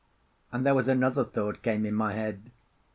And there was another thought came in my head.